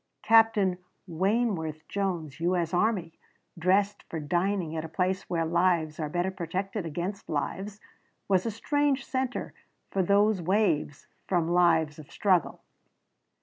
Captain Wayneworth Jones, U. S. Army, dressed for dining at a place where lives are better protected against lives, was a strange center for those waves from lives of struggle.